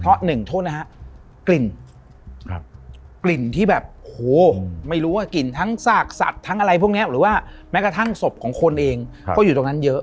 เพราะหนึ่งโทษนะฮะกลิ่นกลิ่นที่แบบโอ้โหไม่รู้ว่ากลิ่นทั้งซากสัตว์ทั้งอะไรพวกนี้หรือว่าแม้กระทั่งศพของคนเองก็อยู่ตรงนั้นเยอะ